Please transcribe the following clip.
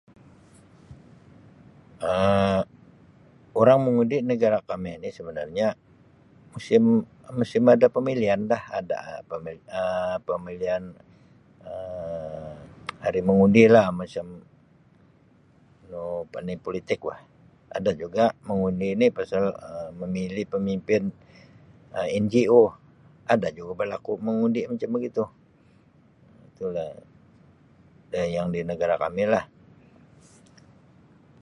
Um Orang mengundi negara kami ni sebenarnya musim-musim ada pemilihanlah ada Um pemilihan Um hari mengundilah macam nu apani politik bah ada juga mengundi ni pasal Um memilih pemimpin Um NGO, ada juga barlaku mengundi macam begitu. Um Tulah dia yang di negara kami lah.